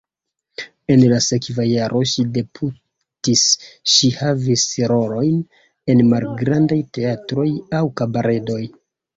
En la sekva jaro ŝi debutis, ŝi havis rolojn en malgrandaj teatroj aŭ kabaredoj.